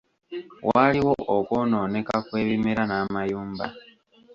Waaliwo okwonooneka kw'ebimera n'amayumba.